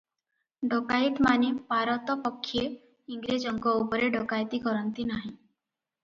ଡକାଏତମାନେ ପାରତ ପକ୍ଷେ ଇଂରେଜଙ୍କ ଉପରେ ଡକାଏତି କରନ୍ତି ନାହିଁ ।